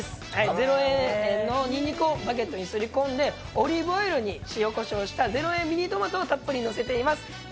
０円のニンニクをバゲットにすり込んで、オリーブオイルに塩こしょうした０円ミニトマトをたっぷり載せています。